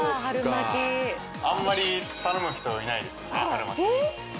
あんまり頼む人いないですよね春巻。